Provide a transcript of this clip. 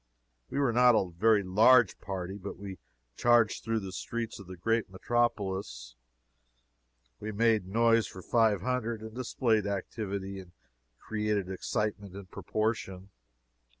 We were not a very large party, but as we charged through the streets of the great metropolis, we made noise for five hundred, and displayed activity and created excitement in proportion.